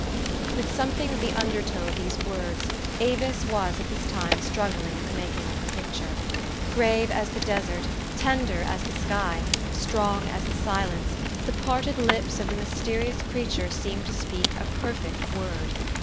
With something of the undertow of these words Avis was at this time struggling in the making of her picture. Grave as the desert, tender as the sky, strong as the silence, the parted lips of the myste rious creature seemed to speak a perfect word.